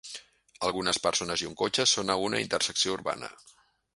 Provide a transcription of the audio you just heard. Algunes persones i un cotxe són a una intersecció urbana.